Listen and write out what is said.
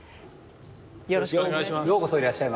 よろしくお願いします。